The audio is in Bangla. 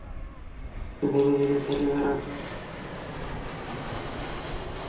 কিন্তু ধীরে ধীরে সেলিমের আগ্রহের নিক্তি ঝুঁকে পড়ে ফুটবলের চেয়ে রাজনীতির প্রতি।